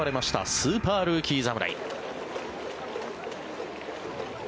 スーパールーキー侍。